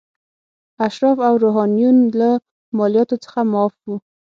اشراف او روحانیون له مالیاتو څخه معاف وو.